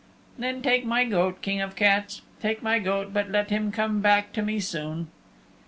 "Then take my goat, King of the Cats, take my goat but let him come back to me soon."